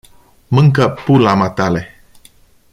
Mânca pula matale